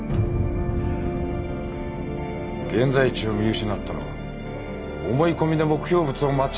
現在地を見失ったのは思い込みで目標物を間違えたからだ。